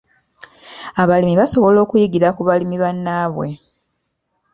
Abalimi basobola okuyigira ku balimi bannaabwe.